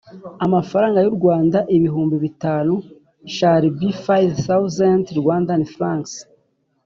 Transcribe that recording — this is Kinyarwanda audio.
amafaranga y u Rwanda Ibihumbi bitanu shall be five thousand Rwandan francs